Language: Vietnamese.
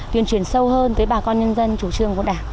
tuyên truyền sâu hơn tới bà con nhân dân chủ trương của đảng